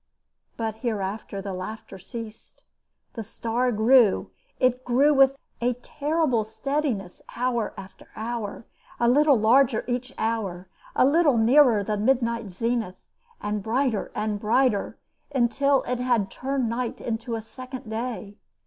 But hereafter the laughter ceased. The star grew it grew with a terrible steadiness hour after hour, a little larger each hour, a little nearer the midnight zenith, and brighter and brighter, until it had turned night into a second day.